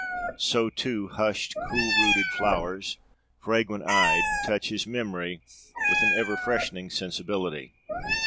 So, too, 'hushed cool rooted flowers, fragrant eyed,' touch his memory with an ever freshening sensibility.